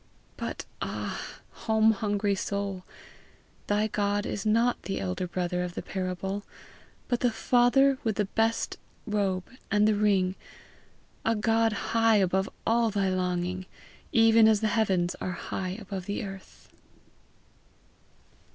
But ah, home hungry soul! thy God is not the elder brother of the parable, but the father with the best robe and the ring a God high above all thy longing, even as the heavens are high above the earth.